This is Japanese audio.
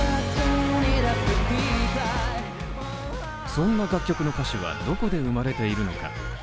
そんな楽曲の歌詞は、どこで生まれているのか。